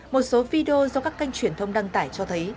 một số video do các kênh truyền thông đăng tải cho thấy